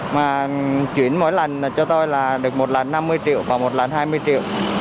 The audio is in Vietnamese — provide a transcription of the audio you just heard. mà chuyển mỗi lần cho tôi là được một lần năm mươi triệu và một lần hai mươi triệu